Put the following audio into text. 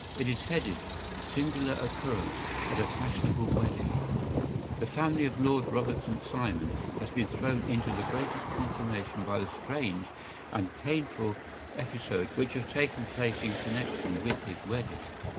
It is headed, ‘Singular Occurrence at a Fashionable Wedding’: “‘The family of Lord Robert St. Simon has been thrown into the greatest consternation by the strange and painful episodes which have taken place in connection with his wedding.